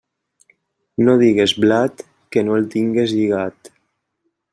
No digues blat que no el tingues lligat.